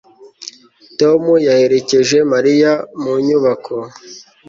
Tom yaherekeje Mariya mu nyubako